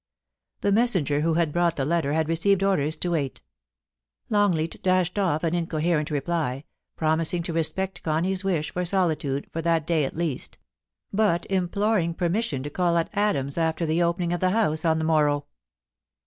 The messenger who had brought the letter had received orders to wait Longleat dashed off an incoherent reply, 362 POLICY AND PASSION. promising to respect Connie's wish for solitude, for that day at least ; but imploring permission to call at Adams's after the opening of the House on the morrow.